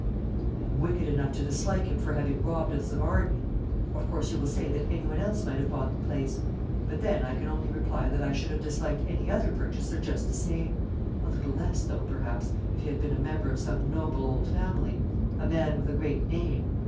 "I am wicked enough to dislike him for having robbed us of Arden. Of course you will say that any one else might have bought the place. But then I can only reply, that I should have disliked any other purchaser just the same; a little less though, perhaps, if he had been a member of some noble old family a man with a great name.